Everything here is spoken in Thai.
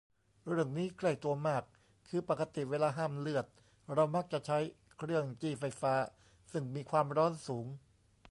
เรื่องนี้ใกล้ตัวมาก คือปกติเวลาห้ามเลือดเรามักจะใช้เครื่องจี้ไฟฟ้า ซึ่งมีความร้อนสูง